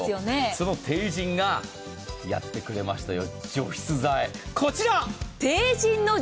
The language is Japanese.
そのＴＥＩＪＩＮがやってくれましたよ